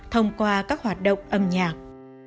thông qua các hoạt động âm nhạc